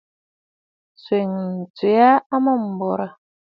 Ǹtsena tswe aa amûm m̀borǝ̀.